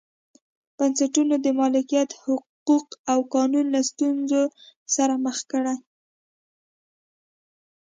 بنسټونو د مالکیت حقوق او قانون له ستونزو سره مخ کړي.